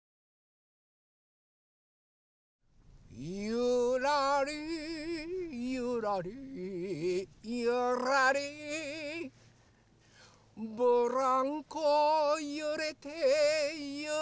「ゆらりゆらりゆらり」「ブランコゆれてゆらり」と。